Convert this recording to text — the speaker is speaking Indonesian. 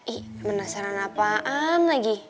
ih penasaran apaan lagi